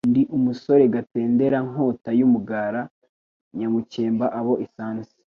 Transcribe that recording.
ndi umusore Gatendera, Nkota y'umugara, nyamukemba abo isanze.,